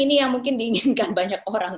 ini yang mungkin diinginkan banyak orang